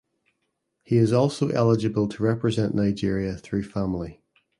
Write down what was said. He is also eligible to represent Nigeria through family.